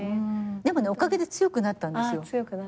でもねおかげで強くなったんですよ。